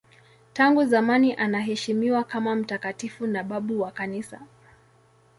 Tangu zamani anaheshimiwa kama mtakatifu na babu wa Kanisa.